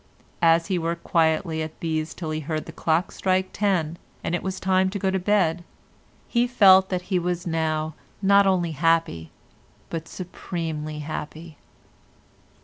As he worked quietly at these till he heard the clock strike ten and it was time to go to bed, he felt that he was now not only happy but supremely happy.